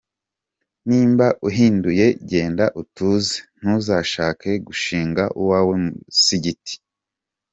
Nimba uhinduye genda utuze ntuzashake gushinga uwawe musigiti.